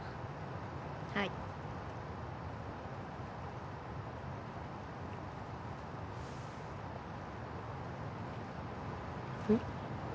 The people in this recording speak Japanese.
はいうん？